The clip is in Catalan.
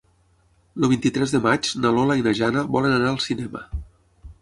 El vint-i-tres de maig na Lola i na Jana volen anar al cinema.